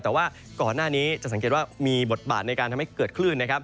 แต่ว่าก่อนหน้านี้จะสังเกตว่ามีบทบาทในการทำให้เกิดคลื่นนะครับ